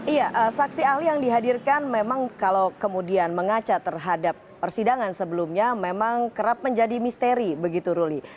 iya saksi ahli yang dihadirkan memang kalau kemudian mengaca terhadap persidangan sebelumnya memang kerap menjadi misteri begitu ruli